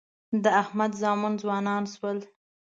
د احمد زامن ځوانان شول.